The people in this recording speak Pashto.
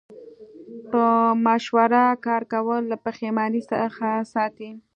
په مشوره کار کول له پښیمانۍ څخه ساتي.